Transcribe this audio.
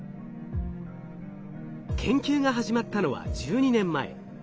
研究が始まったのは１２年前。